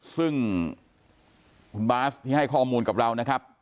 ซึ่งคุณบาสที่ให้ข้อมูลกับเรานะครับ